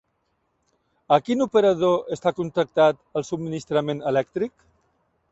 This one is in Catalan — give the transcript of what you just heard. A quin operador està contractat el subministrament elèctric?